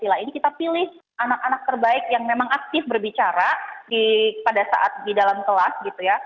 jadi kita pilih anak anak terbaik yang memang aktif berbicara pada saat di dalam kelas gitu ya